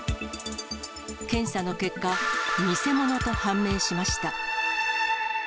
検査の結果、偽物と判明しました。